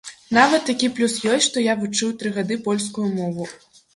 Нават такі плюс ёсць, што я вучыў тры гады польскую мову.